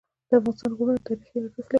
د افغانستان غرونه تاریخي ارزښت لري.